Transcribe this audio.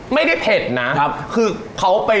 ไม่ได้เผ็ดนะ